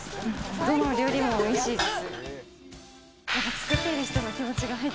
どの料理もおいしいです。